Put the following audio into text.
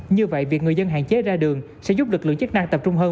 như vậy việc người dân hạn chế ra đường sẽ giúp lực lượng chức năng tập trung hơn